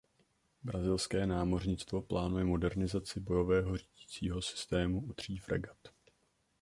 Brazilské námořnictvo plánuje modernizaci bojového řídícího systému u tří fregat.